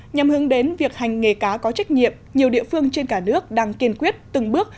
nhằm hướng đến việc hành nghề cá có trách nhiệm nhiều địa phương trên cả nước đang kiên quyết từng bước